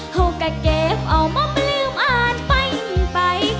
เฮ้าก็เก็บเอามาไม่ลืมอ่านไป